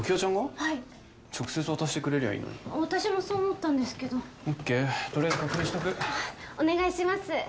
はい直接渡してくれりゃいいのに私もそう思ったんですけどオーケーとりあえず確認しとくお願いします